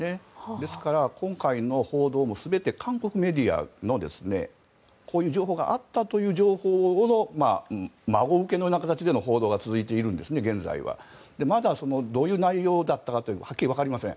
ですから、今回の報道も全て韓国メディアの、こういう情報があったという情報の孫請けのような形での報道が続いているんですねまだ、どういう内容だったかはっきり分かりません。